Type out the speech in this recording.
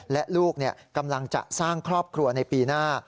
และลูกกำลังจะสร้างครอบครัวในปีหน้า